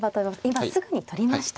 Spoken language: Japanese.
今すぐに取りました。